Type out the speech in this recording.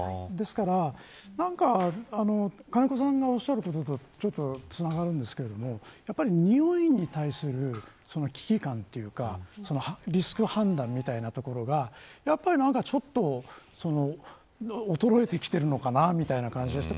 ですから、金子さんがおっしゃることとつながるんですけど臭いに対する危機感というかリスク判断みたいなところがやっぱり衰えてきてるのかなみたいな感じがして。